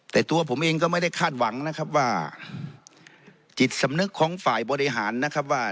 แต่ตัวผมเองก็ไม่ได้คาดหวังนะครับว่าจิตสำนึกของฝ่ายบริหารนะครับว่า